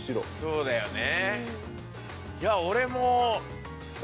そうだよね。